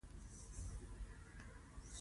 پښتو الفبې له عربي څخه اخیستل شوې ده.